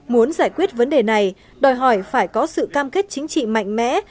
muốn giải quyết vấn đề này đòi hỏi phải có sự cam kết chính trị mạnh mẽ